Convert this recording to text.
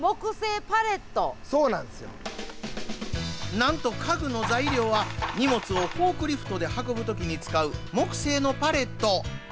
なんと家具の材料は荷物をフォークリフトで運ぶときに使う木製のパレット。